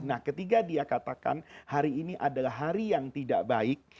nah ketika dia katakan hari ini adalah hari yang tidak baik